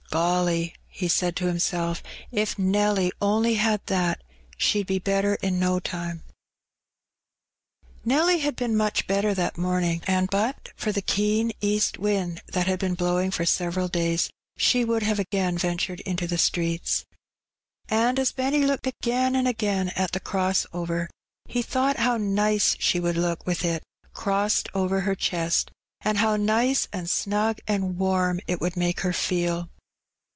"GoUy!" he said to himself, "if Nelly only had that, sheM be better in no time/' Nelly had been much better that morning, and but for the keen east wind that had been blowing for several days, she would have again ventured into the streets. And as Benny looked again and again at the cross over, he thought how nice she would look with it crossed over her chest, and how nice and snug and warm it would make her feel.